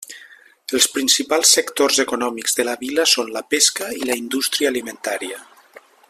Els principals sectors econòmics de la vila són la pesca i la indústria alimentària.